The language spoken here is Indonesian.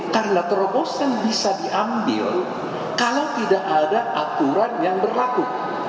karena terobosan bisa diambil kalau tidak ada aturan yang berlaku